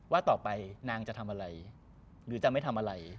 ว่าต่อไปนางจะทำอะไรหรือจะไม่ทำอะไร